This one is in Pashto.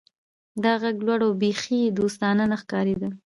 دا غږ لوړ و او بیخي دوستانه نه ښکاریده